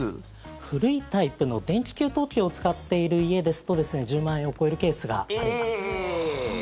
古いタイプの電気給湯器を使っている家ですと１０万円を超えるケースがあります。